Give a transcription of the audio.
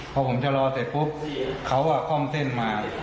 พอผมจะรอเสร็จปุ๊บเขาก็คล่อมเส้นมา